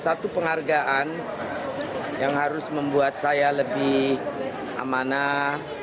ini adalah penghargaan yang harus membuat saya lebih amanah